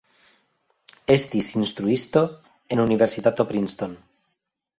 Estis instruisto en Universitato Princeton.